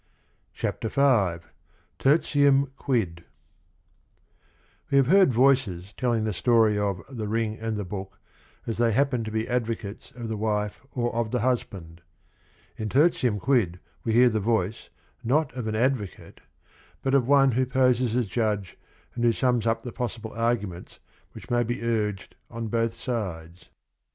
CHAPTER V TERTIUM QUID We hav e heard voices tellin g the story of The Rin g and the Bo ok as they happen ed to be ad vocates of the wife or of the husband! In Tertium Quid we hear the voic e, not of an advocate but of one who poses as judge and who sums up the poss ible arguments which may hpi nrgprl nn hath sides.